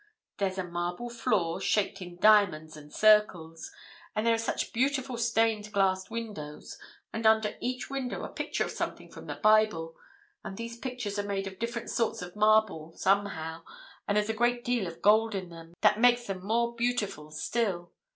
There's a marble floor shaped in diamonds and circles, and there are such beautiful stained glass windows, and under each window a picture of something from the Bible, and these pictures are made of different sorts of marble, somehow, and there's a great deal of gold in them, that makes them more beautiful still.